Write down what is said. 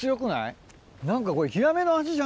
何か。